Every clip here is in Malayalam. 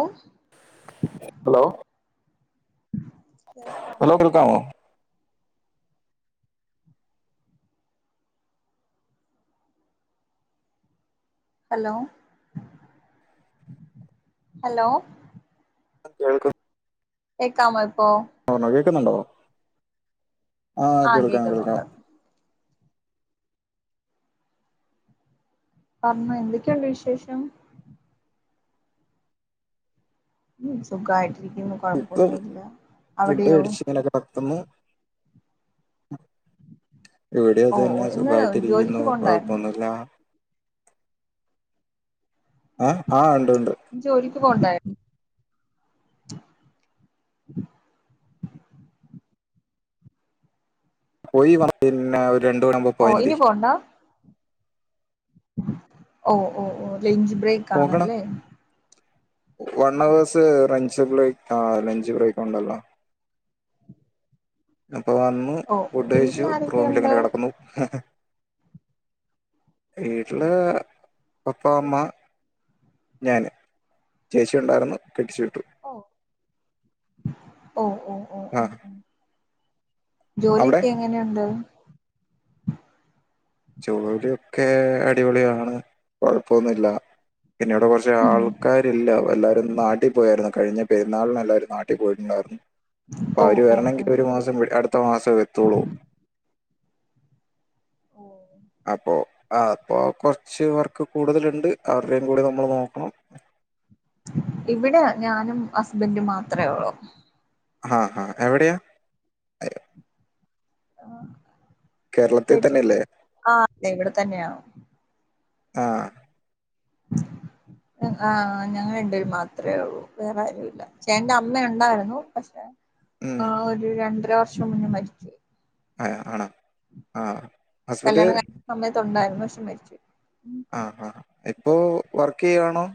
ഔ ഹലോ. ഹലോ കേക്കാമോ? കേൾക്കാമോ ഹലോ ഹലോ. അഹ് കേൾക് കേക്കാമൊ ഇപ്പൊ? ആണോ കേക്കുന്നുണ്ടോ ആഹ് കേൾക്കാം കേൾക്കാം. പറഞ്ഞോ എന്തൊക്കെയുണ്ട് വിശേഷം? സുഖായിട്ടിരിക്കുന്നു ഇപ്പൊ കൊഴപ്പൊന്നുല്ല അവിടെയോ? [unintelligible] ഇവിടെയും അത് ഓ ഓ തന്നെ ഇന്ന് സുഖായിട്ടിരിക്കുന്നു ജോലിക്ക് പോണ്ടായിരുന്നോ കുഴപ്പൊന്നു ലാ ആഹ് ആഹ് ഉണ്ട് ഉണ്ട്. ജോലിക്ക് പോണ്ടേ [unintelligible] പിന്നെ ഒരു രണ്ട് മണി ആകുമ്പോ പോയാ ഓ മതി. ഇനി ഓഹ് ഓഹ് ഓഹ് ലെഞ്ച് ബ്രേക്ക്. പോകണം. ആണല്ലേ വൺ അവേഴ്സ് റഞ്ച് ബ്രേക്ക് ആ ലഞ്ച് ബ്രേക്ക് ഉണ്ടല്ലോ? അപ്പ വന്നു ഓ ഓ ഫുഡ് വീട്ടിൽ കഴിച്ചു റൂമിൽ ആരൊക്കെയുണ്ട് ഇങ്ങനെ കിടക്കുന്നു. എ ഹെ വീട്ടില് പപ്പ അമ്മ. ഞാൻ ചേച്ചിഒണ്ടായിരുന്നു കെട്ടിച്ചു വിട്ടു. ഓ ഓ ഓ ഓ ആ ഓ ഓ. അവിടെ ജോലിയൊക്കെ എങ്ങനെയുണ്ട്? ജോലിയൊക്കെ അടിപൊളിയാണ് കുഴപ്പൊന്നുല്ല. പിന്നെ ഇവിടെ കുറച്ച് ഉം ആൾക്കാരില്ലാ അപ്പ എല്ലാവരും നാട്ടിൽ പോയായിരുന്നു കഴിഞ്ഞ പെരുന്നാളിനും എല്ലാവരും നാട്ടിൽ പോയിട്ടുണ്ടായിരുന്നു അപ്പൊ ഓ അവര് ഓ ഓ വരണെങ്കിൽ. ഒരു മാസം അടുത്ത മാസം വരത്തുള്ളൂ. ഓ അപ്പോ അപ്പോ കൊറച്ച് വർക്ക് കൂടുതല്ണ്ട് അവരുടെയും കൂടി നമ്മൾ നോക്കണം. ഇവിടെ ഞാനും ഹസ്ബൻഡും മാത്രേ ഒള്ളു. ആഹ അ ഹാ എവിടെയാ അയ്യോ, കേരളത്തിൽ തന്നെ അല്ലേ ആഹ അതെ ഇവിടെ തന്നെയാ ആഹ ഉ ആഹ ഞങ്ങ രണ്ട് പേർ മാത്രമേ ഉള്ളൂ വേറെ ആരുല്ല ചേട്ടന്റെ അമ്മ ഉണ്ടായിരുന്നു പക്ഷെ ഉം ആഹ ഒരു രണ്ടര വർഷം മുന്നേ മരിച്ചു ആഹ ആണോ ആ ഹ കല്യാണം കഴുന്ന സമയത്ത്ണ്ടായിരുന്നു പക്ഷെ മരിച്ചു പോയി ആ ഹ ആഹ ഇപ്പോവ ർക്കയ്യാണോ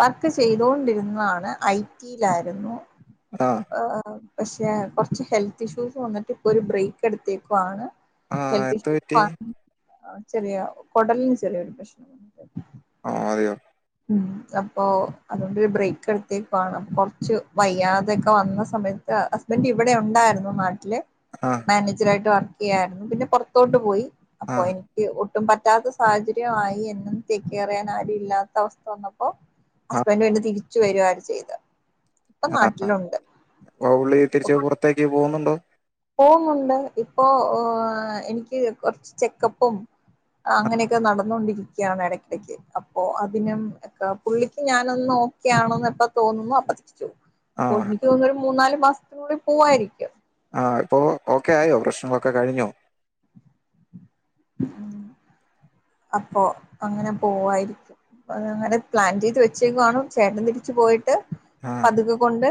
വർക്ക് ചെയ്തൊണ്ടിരുന്നതാണ് ഐടിയിലായിരുന്നു ആഹ പക്ഷെ കുറച്ച് ഹെൽത്ത് ഇഷ്യൂസ് വന്നിട്ട് ഇപ്പൊ ഒരു ബ്രേക്ക് എടുത്തേക്കുവാണ് ആ ഹെൽത്ത് എത്ര പറ്റി ഇഷ്യൂവാണ് ചെറിയ കുടലന് ചെറിയൊരു പ്രശ്നം ആഹ അതെയോ അപ്പൊ അതുകൊണ്ടരു ബ്രേക്ക് എടുത്തിരുന്നുഅപ്പോ കുറച്ച് വയ്യാതെയൊക്കെ വന്ന സമയത്ത് ഹസ്ബന്ഡറ് ഇവിടെ ഉണ്ടായിരുന്നു നാട്ടില് ആ ആ മാനേജർ ആായിട്ട് വർക്ക് ചെയ്യായിരുന്നു പിന്നെ പുറത്തോട്ടു പോയി അപ്പോ ഒട്ടും പറ്റാത്ത സാഹചര്യമായി എന്നും സിസേറിയൻ ആരും ഇല്ലാത്തഅവസ്ഥ വന്നപ്പോ ആ ആ ഹസ്ബൻഡ് പിന്നെ തിരിച്ചു വരുവാണ് ചെയ്തത് ഇപ്പൊ ആഹ അ ഹ നാട്ടിലുണ്ട് ഇപ്പോപുള്ളി തിരിച്ച് പുറത്തേക്ക് പോകുന്നുണ്ടോ പോുന്നുുന്നുണ്ട് ഇപ്പോൊ എനിക്ക് കൊറച്ച് ചെക്കപ്പും അങ്ങനെയൊക്കെ നടന്നോണ്ടിരിക്ക ഇടയ്ക്കിടക്ക് അപ്പൊ അതിനുംക്ക പുള്ളിക്ക് ഞാനൊന്ന് ഒക്കെയാണോന്ന് എപ്പോ തോന്നുന്നു അപ്പോ തിരിച്ചുപോവും ആ പൊണി [unintelligible] ക്ക് പോന്ന ഒരു മൂന്ന നാല് ബസൂടി പോവായിരിക്കും ആഹ ഇപ്പോൊ ഓക്കെ ആയോ പ്രശ്നങ്ങളൊക്കെ കഴിഞ്ഞോ അപ്പൊ അങ്ങനെ പോവായിരിക്കും അത് അങ്ങനെ പ്ലാൻ ചെയ്ത് വെച്ചേക്കുവാണ് ചേട്ടൻ തിരിച്ചു പോയിട്ട് ആ പതുക്ക കൊണ്ട്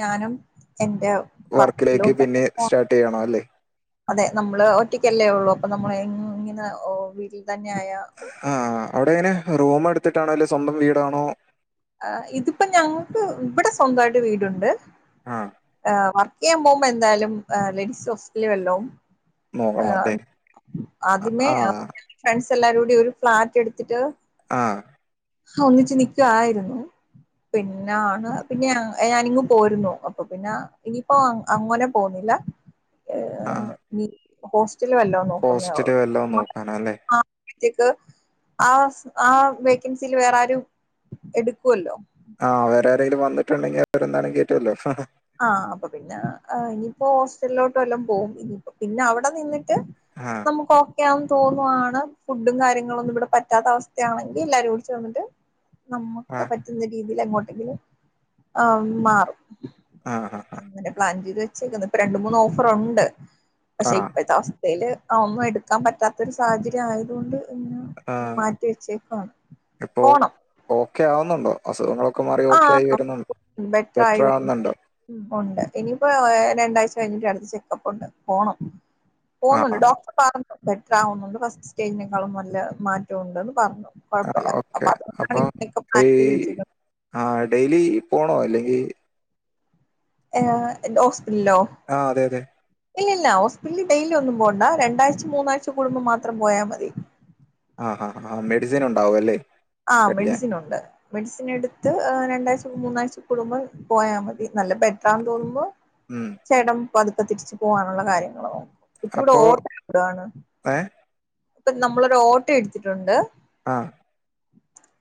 ഞാനും എന്റെ വർക്കിലേക്ക് വർക്കിലോട്ടൊക്കെ പിന്നെ പോണം സ്റ്റാർട്ട് ചെയ്യണ അല്ലേ അതെ നമ്മള് ഒറ്റക്കല്ലേ ഉള്ളു അപ്പൊ നമ്മൾ ഇങ്ങനെ വീട്ടിൽ തന്നെ ആയ ആഹ അവിടെ എങ്ങനെ റൂം എടുത്തിട്ടാണോ അല്ല സ്വന്തം വീടാണോ ഇതിപ്പോ ഞങ്ങൾക്ക് ഇവിടെ സ്വന്തായിട്ട് വീടുണ്ട് ആഹ ് വർക്ക് ചെയ്യാൻ പോകുമ്പോ എന്തായാലും ലേഡീസ് ഹോസ്റ്റല വല്ലോ നോക്കണം ആഹ അല്ലേ? ആദ്യമേ ആ ഫ്രണ്ട്സ് എല്ലാരും കൂടി ഒരു ഫ്ലാറ്റ് എടുത്തിട്ട് ആഹ ഒന്നിച്ച് നിക്കുവായിരുന്നു പിന്നാണ് പിന്നെ ഞാനിങ്ങങ് പോരുന്നു അപ്പൊ പിന്നെ ഇനിയിപ്പോ അങ്ങനെ പോന്നില്ല ആ ഹോസ്റ്റല് വല്ലോ ഹോസ്റ്റല് നോക്കുന്നവും വല്ലോം നോക്കാനല്ലേ? ക്ക് ആ ആ വെക്കെൻസിക്ക് വേറെരുും എടുക്കല്ലോ ആഹ വേറെ ആരെങ്കിലും വന്നിുണ്ടെങ്കിൽ അവരെന്താണും കേയറ്റുല്ലോ ആഹ് അപ്പൊ പിന്നെ ഇനിയിപ്പോ ഹോസ്റ്റലിലോട്ട് വല്ലാം പോകവും പിന്നെ അവിടെ നിന്നിട്ട് ആഹ നമുക്ക് ഓക്കെയാന്ന് തോന്നുവാണ് ഫുഡും കാര്യങ്ങളൊന്നും ഇവിടെ പറ്റാത്ത അവസ്ഥയാണെങ്കി എല്ലാവരും കൂടിച്ചേർന്നിട്ട് ആ നമുക്ക് പറ്റുന്ന രീതിൽ എങ്ങോട്ടെങ്കിലും ആ മാറും ആഹ് ആഹ് അങ്ങനെ പ്ലാൻ ചെയ്ത് വെച്ചേക്കുന്ന് ഇപ്പ രണ്ടു മൂന്ന് ഓഫറൊണ്ട് ആ ആ പക്ഷെ ഇപ്പഴത്തെ അവ സ്ഥേയില് ഒന്നും എടുക്കാൻ പറ്റാത്ത ഒരു സാഹചര്യം ആയത് കൊണ്ട് ആഹ് ആ ഇപ്പോ പോണം ഓക്കേ ആവുന്നുണ്ടോ അസുഖങ്ങളൊ ക്കെ മാറി ഓക്കേ ആയി ആഹ് വരുന്നോ ബെറ്റർ ആവുന്നുണ്ടോ ഉം ഒണ്ട് ഇനി ഇപ്പോ രണ്ടാഴ്ച കഴിഞ്ഞിട്ട് അടുത്ത് ചെക്കപ്പൊണ്ട് പോണം ആ പോന്നൊണ്ട് ഡോക്ടർ പറഞ്ഞു ബെറ്റർ ആവുന്നൊണ്ട് ഫസ്റ്റ് സ്റ്റേജിനേക്കാളും നല്ല മാറ്റം ഒണ്ട്ന്ന് പറഞ്ഞു ആ കൊഴപ്പല്ല അപ്പൊ ഓക്കെ. അതുകൊണ്ടാണ് ഇങ്ങനൊക്കെ പ്ലാൻ ചെയ്ത് വെച്ചേക്കണെ ആഹ് ഡെയിലി പോണോ അല്ലെങ്കി ഏ എന്ത് ഹോസ്പിറ്റലിലോ ആഹ് അതെ അതെ ഇല്ലില്ല ഹോസ്പിറ്റലിൽ ഡെയിലി ഒന്നും പോണ്ട രണ്ടാഴ്ച മൂന്നാഴ്ച കൂടുമ്പോ മാത്രം പോയാ മതി ആഹ് ആഹ് ആഹ് മെഡിസിനൊണ്ടാവും അല്ലേ ആഹ് കഴിക്കാൻ മെഡിസിനൊണ്ട് മെഡിസിൻ എടുത്ത് രണ്ടാഴ്ച മൂന്നാഴ്ച കൂടുമ്പ പോയാ മതി നല്ല ബെ റ്ററാന്ന് തോന്നുമ്പോ ഉം ചേട്ടൻ പതുക്കെ തിരിച്ചു പോകാനുള്ള കാര്യങ്ങള് നോക്കും ഇപ്പോ ഇവിടെ അപ്പോ ഓട്ടോ ഓടുവാണ് ഏ ഇപ്പം നമ്മള് ഒരു ഓട്ടോ എടുത്തിട്ടൊണ്ട് ആഹ്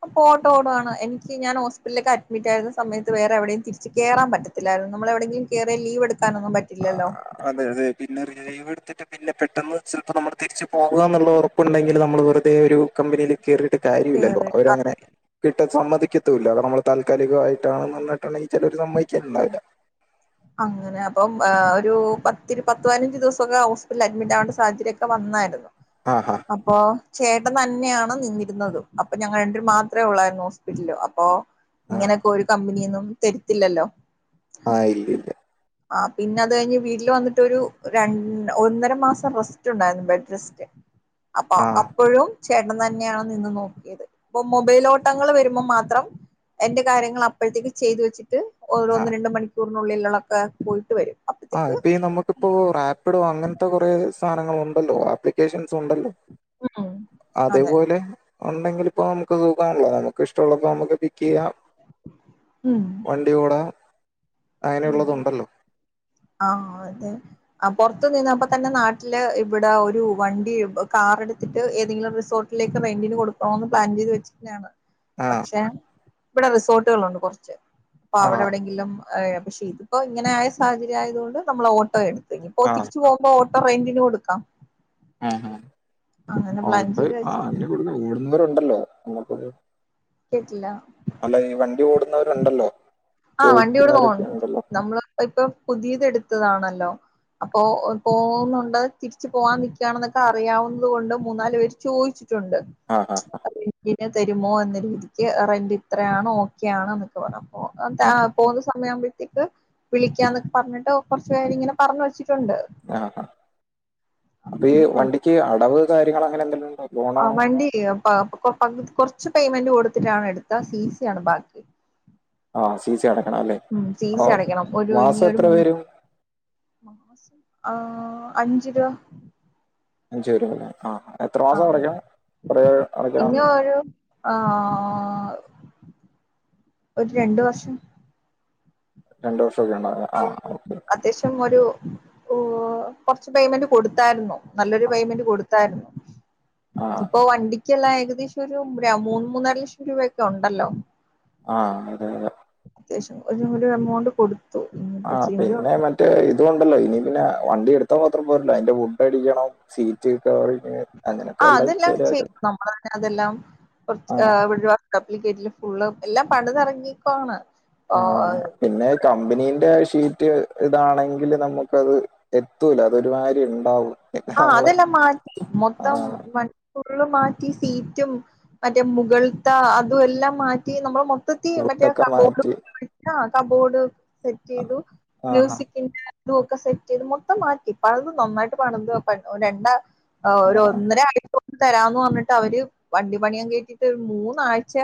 ഇപ്പോ ഓട്ടോ ഓടുവാണ് എനിക്ക് ഞാൻ ഹോസ്പിറ്റലിലേക്ക് അഡ്മിറ്റ് ആരുന്ന സമയത്ത് വേറെ എവിടെയും തിരിച്ച് കേറാൻ പറ്റ ത്തില്ലാരുന്ന് നമ്മള് എവിടെയെങ്കിലും കേറിയാ ലീവ് എടുക്കാനൊന്നും ആ, പറ്റില്ലല്ലോ അതെ അതെ പിന്നെ ലീവ് എടുത്തിട്ട് പിന്നെ പെട്ടെന്ന് ചിലപ്പോ നമ്മള് തിരിച്ച് പോകുക എന്നുള്ള ഒറപ്പൊണ്ടെങ്കില് നമ്മള് വെറുതെ ഒരു കമ്പനിയില് കേറിട്ട് കാര്യല്ലല്ലോ കേറി അവര് അങ്ങനെ കിട്ടാ സമ്മതിക്കത്തുവില്ല കാരണം നമ്മള് താൽക്കാലികം ആയിട്ടാണ് എന്ന് പറഞ്ഞിട്ടൊണ്ടെങ്കിൽ ചെലവര് സമ്മതിക്കേണ്ടാവില്ല അങ്ങനെ അപ്പം ആ ഒരു പത്തിരു പത്തുപതിനഞ്ച് ദെവസം ഒക്കെ ഹോസ്പിറ്റലില് അഡ്മിറ്റ് ആവേണ്ട സാഹചര്യൊക് ക്കെ വന്നാരുന്നു ആഹ് ആഹ് അപ്പോ ചേട്ടൻ തന്നെ ആണ് നിന്നിരുന്നതും അപ്പൊ ഞങ്ങൾ രണ്ട് പേരും മാത്രേ ഒള്ളായിരുന്നു ഹോസ്പിറ്റലില് അപ്പോ ആ ഇങ്ങനൊക്കെ ഒരു കമ്പനീന്നും തെരത്തില്ലല്ലോ ആഹ് ഇല്ലില്ല ആഹ് പിന്നത് കഴിഞ്ഞ് വീട്ടില് വന്നിട്ട് ഒരു രണ്ട് ഒന്നര മാസം റെസ്റ്റ് ഒണ്ടായിരുന്നു ബെഡ് റെസ്റ്റ് അപ്പൊ ആ അപ്പഴും ചേട്ടൻ തന്നെ ആണ് നിന്ന് നോക്കിയത് ഇപ്പം മൊബൈലോട്ടങ്ങൾ വെരുമ്പോ മാത്രം എന്റെ കാര്യങ്ങളപ്പഴത്തേക്ക് ചെയ്തു വെച്ചിട്ട് ആ ഓരോന്ന് രണ്ട് മണിക്കൂറിനുള്ളിലൊള്ളെക്കെ പോയിട്ട് വരും ആഹ് അപ്പത്തേക്ക് ഇപ്പൊ ഈ നമുക്ക്‌ ഇപ്പോ റാപ്പിഡോ അങ്ങനത്തെ കൊറേ സാധനങ്ങളൊണ്ടല്ലോ ആപ്ലിക്കേഷൻസ് ഒണ്ടല്ലോ അതെ പോലെ ഒണ്ടെങ്കില് ഇപ്പോ നമുക്ക് സുഖാണ്ല്ലോ നമുക്ക് ഇഷ്ടൊള്ളപ്പോ നമുക്ക് പി ക്കെയ്യാം ഉം വണ്ടി ഓടാം അങ്ങനെ ഒള്ളത് ഒണ്ടല്ലോ ആഹ് അതെ ആഹ് പൊറത്ത്നിന്ന് അപ്പ തന്നെ നാട്ടില് ഇവിടെ ഒരു വണ്ടി കാറെടുത്തിട്ട് ഏതെങ്കിലും റിസോ ർട്ടിലേക്ക് റെന്റിന് കൊടുക്കണോന്ന് പ്ലാൻ ചെയ്ത് വെച്ചിരിന്ന ആണ് ആ പക്ഷേ ഇവിടെ റിസോർട്ടുകള് ഒണ്ട് കൊറച്ച് അപ്പ ആ അവിടെ എവിടെ എങ്കിലും ഏ പക്ഷേ ഇത് ഇപ്പോ ഇങ്ങനെ ആയ സാഹചര്യ ആയത് കൊണ്ട് നമ്മൾ ഓട്ടോ എടുത്ത് ഇനി ഇപ്പോ ആ തിരിച്ച് പോകുമ്പോ ഓ ഇപ്പ റെന്റിന് കൊടുക്കാം ഉം ഉം അങ്ങനെ പ്ലാൻ ഓട്ടോ ചെയ്ത് ആ വെച്ച് അതില് കൂടുന്നേ ഓടുന്നവര് ഒണ്ടല്ലോ [unintelligible] കേട്ടില്ല അല്ല ഈ വണ്ടി ഓടുന്നവര് ഒണ്ടല്ലോ ആഹ് വണ്ടികള് തോണം നമ്മള് ഇപ്പൊ പുതിയത് എടുത്തത് ആണ് അല്ലോ അപ്പോ പോകുന്നുണ്ട് തിരിച്ചു പോവാൻ നിക്കാണെന്നൊക്കെ അറിയാവുന്നത് കൊണ്ട് മൂന്നാല് പേര് ചോയിച്ചിട്ടുണ്ട് ആ ആ ആ, റെന്റിന് തരുമോ എന്ന രീതിക്ക് റെന്റ് ഇത്രയാണോ ഓക്കെ ആണോ എന്നൊക്കെ വേണം പോവാൻ ആ [unintelligible] യാമ്പോഴത്തേക്ക് വിളിക്കാന്നൊക്കെ പറഞ്ഞിട്ട് കൊറച്ചു പേര് ഇങ്ങനെ പറഞ് വെച്ചിട്ടൊണ്ട് ആഹ് ആഹ് അപ്പൊ ഈ കൊഴ വണ്ടിക്ക് അടവ് കാര്യങ്ങള് അങ്ങനെ എന്തെല്ലും ആ വണ്ടി പകുതി കൊറച്ച് പേയ്മെന്റ് കൊടുത്തിട്ടാണ് എടുത്ത സി സി ആണ് ബാക്കി ആഹ സി സി അടക്കണം അല്ലേ ഉം സി സി അപ്പം അടയ്ക്കണം മാസം എത്ര വരും ആഹ് അഞ്ചു രൂപ അഞ്ച് വരു അല്ലേ ആ എത്ര മാസം അടയ്ക്കാം കൊറ അടയ്ക്കാം പ്പോരു ആഹ് ഒരു രണ്ട് വർഷം രണ്ട് വർഷമൊക്കെ ഉണ്ട ആ ഓക്കെ അത്യാവശ്യം ഒരു കൊറച്ച് പേയ്മെന്റ് കൊടുത്തായിരുന്നു നല്ലൊരു ആ പേയ്മെന്റ് കൊടു തായിരുന്നു ആ ഇപ്പൊ വണ്ടി ക്കെല്ലാം ഏകദേശം ഒരു മൂന്ന് മൂന്നരലക്ഷം രുപ ഒക്കെ ഒണ്ടല്ലോ ആഹ് അതെ അതെ അത്യാവശ്യം ഒരു എമൗണ്ട് കൊടു ആ പിന്നെ മറ്റേ ഇതൊണ്ടല്ലോ ഇനി പിന്നെ വണ്ടി എടുത്താ മാത്രം പോരല്ലോ അതിന്റെ വുഡ് അടിക്കണം സീറ്റ് കവറിങ് അങ്ങനെയൊക്കെ ആഹ് എല്ലാം അതെല്ലാം ശരിയാക്കണം. ചെയ്യും നമ്മള് തന്നെ അതെല്ലാം ആഹ്. കൊറച്ച് [unintelligible] കപ്പിൽ കയറ്റില് ഫുള്ള് എല്ലാം പണിതെറങ്ങിക്കുവാണ് ആഹ് പിന്നെ കമ്പനീന്റെ ഷീറ്റ് ഇതാണെങ്കില് നമുക്കത് എത്തൂല അതരുമാതിരി ഉണ്ടാവും ആഹ് അതെല്ലാം മാറ്റി മൊത്തം ആഹ് വ ഫുള്ള് മാറ്റി സീറ്റും മറ്റേ മുകൾത്ത അതും എല്ലാം മാറ്റി നമ്മള് മൊ ത്തതി മറ്റേ വുഡൊക്കെ മാറ്റി കബോർഡ് സെറ്റ് ചെയ്തു ആഹാ. മ്യൂസിക്കിന്റെ ഇതൊക്കെ സെറ്റ് ചെയ്ത് മൊത്തം മാറ്റി പലതും നന്നായിട്ട് പണിത് രണ്ടാ ആഹ് ഒരു ഒന്നര ആ തരാന്ന് പറഞ്ഞിട്ട് അവര് വണ്ടി പണിയും കേറ്റിട്ട് ഒരു മൂന്നാഴ്ച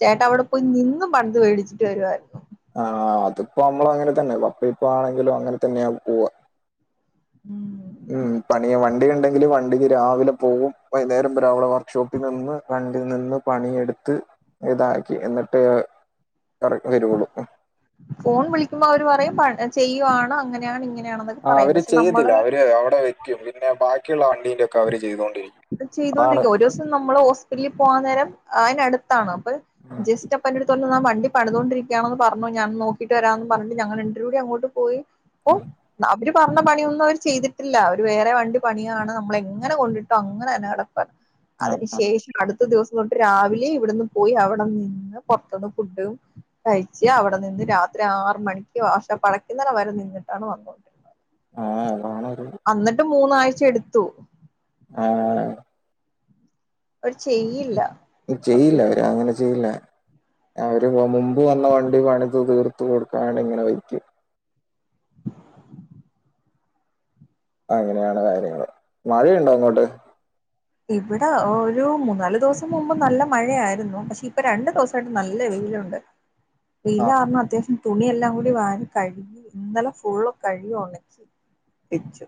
ചേട്ട അവിടെ പോയി നിന്നും പണിത് മേടിച്ചിട്ട് വരുവായിരുന്നു ആഹ് അതിപ്പോ നമ്മള അങ്ങനെ തന്നെ വപ്പ ഇപ്പ ആണെങ്കിലും അങ്ങനെ തന്നെയ പോവ ഉം പണിയ വണ്ടി ഉണ്ടെങ്കില് വണ്ടിക്ക് രാവിലെ പോവും വൈകുന്നേരം വരെ വർക്ക്ഷോപ്പി നിന്ന് കണ്ടിൽ നിന്ന് പണിയെടുത്ത് ഇതാക്കി എന്നിട്ട് ഏറക്കി വരുള്ളൂ ഫോൺ വിളിക്കുമ്പോൾ അവര് പറയും ചെയ്യുവാണ് അങ്ങനെയാണ് ഇങ്ങനെ ആഹ് അവര് ചെയ്യത്തില്ല അവര് അവിടെ വയ്ക്കും പിന്നെ ബാക്കിയുള്ള വണ്ടീന്റെ ഒക്കെ അവര് ചെയ്തുകൊണ്ടിരിക്കും ചെയ്തോണ്ടരിക്ക ഒരു ദിവസം നമ്മള് ഹോസ്പിറ്റലിൽ പോവാൻ നേരം അതിനടുത്ത് ത്താണ് അപ്പോ ഉം ജസ്റ്റ് അപ്പോ എന്ടെടുത് വണ്ടി പണിതോണ്ടരിക്കയാണെന്ന് പറഞ്ഞു ഞാൻ നോക്കിട്ട് വരാമന്ന് പറഞ് ഞങ്ങള് രണ്ടരും കൂടി അങ്ങോട്ട് പോയി അപ്പ ഉം അവര് പറഞ്ഞ പണിയൊന്നും അവര് ചെയ്തിട്ടില്ല, അവര് വേറെ വണ്ടി പണിയാണ് നമ്മള എങ്ങനെ കൊണ്ട അങ്ങനെ തന്നെ കെടപ്പ ആ അതിന് ശേഷം അടു അടുത്ത ദിവസം തൊട്ട് രാവിലെ ഇവിടെന്ന് പോയി അവിടെ നിന്ന് പൊറത്തുന്ന് ഫുഡും കഴിച്ച് അവിടെ നിന്ന് രാത്രി ആറ് മണിക്ക് വാർഷോപ്പ് അടക്കുന്ന വരെ നിന്നിട്ടാണ് വന്നത് ആഹ് അതാണത് അന്നിട്ട് മൂന്നാഴ്ച എടുത്തു ആഹ് അവർ ചെയ്യില്ല ചെയ്യില്ല അവര് അങ്ങനെ ചെയ്യില്ല അവര് മുമ്പ് വന്ന വണ്ടി പണിത് തീർത്ത കൊടുക്കാണ്ട് ഇങ്ങനെ വയ്ക്കും അങ്ങനെയാണ് കാര്യങ്ങള് മഴയുണ്ടോ അങ്ങോട്ട് ഇവിടെ ഒരു മൂന്നാല് ദിവസം മുമ്പ് നല്ല മഴയായിരുന്നു പക്ഷെ ഇപ്പൊ രണ്ടു ദിവസമായിട്ട് നല്ല വെയിലുണ്ട് ആ വെയിലർന്നു അത്യാവശ്യ തുണിയെല്ലാം കൂടി വാരി കഴുകി, ഇന്നലെ ഫുള്ള് കഴുകി ഉണക്കി വച്ചു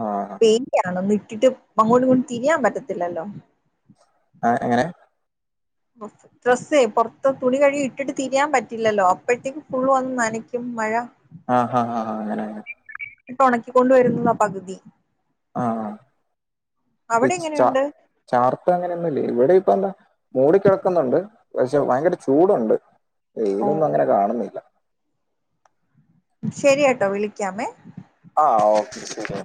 ആ പെന്യാണ ഒന്ന് ഇട്ടിട്ട് അങ്ങോട്ടും ഇങ്ങോട്ടും തിരിയാൻ പറ്റത്തില്ലല്ലോ ആ എങ്ങനെ പോർത് ഡ്രെസ്സേ പുറത്ത് തുണി കഴുകി ഇട്ടിട്ട് തിരിയാൻ പറ്റില്ലല്ലോ അപ്പോഴത്തേക്ക് ഫുള് വന്നു നനക്കും മഴ ആഹ് ആഹ് ആ അങ്ങനെ ഇപ്പ ഉണക്കിക്കൊണ്ടുവരുന്നുതാ പകുതി ആഹ് ഈ അവിടെ ച എങ്ങനെയുണ്ട് ചാർത്ത അങ്ങനെയൊന്നുംല്ലേ ഇവിടെ ഇപ്പ എന്താ മൂടിക്കിടക്കുന്നുണ്ട് പക്ഷെ ഭയങ്കര ചൂടുണ്ട് ഓ വെയിലൊന്നും അങ്ങനെ കാണുന്നില്ല ശരിയട്ടോ വിളിക്കാമേ ആ ഓക്കെ ശരി